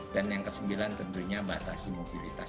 dan yang kesembilan tentunya batasi mobilitas